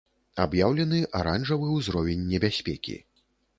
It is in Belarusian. Аб'яўлены аранжавы ўзровень небяспекі.